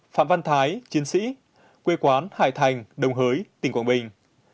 một mươi bảy phạm văn thái chiến sĩ quê quán hải thành đồng hới tỉnh quảng bình